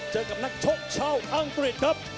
เจอกับนักชกชาวอังกฤษครับ